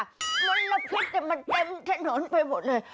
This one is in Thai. มันละพิษแต่มันเต็มถนนไปหมดเลย